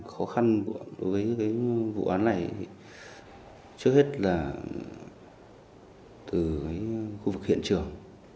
khó khăn đối với vụ án này trước hết là từ khu vực hiện trường